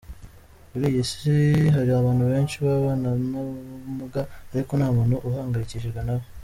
Kuri iyi si, hari abantu benshi babana n’ubumuga ariko ntamuntu uhangayikishijwe nabo.